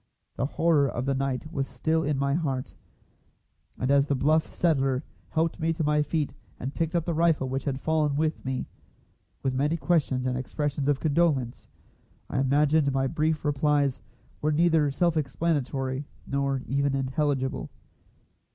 The horror of the night was still in my heart, and as the bluff settler helped me to my feet and picked up the rifle which had fallen with me, with many questions and expressions of condolence, I imagine my brief replies were neither self explanatory nor even intelligible.